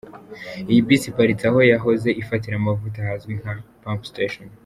Iyi bisi iparitse aho yahoze ifatira amavuta hazwi nka “pump station”.